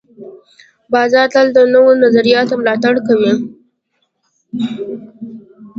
بازار تل د نوو نظریاتو ملاتړ کوي.